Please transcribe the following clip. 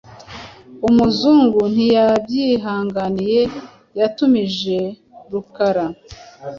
umuzungu ntiyabyihanganiye yatumije Rukara